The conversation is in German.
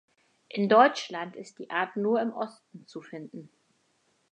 In Deutschland ist die Art nur im Osten zu finden.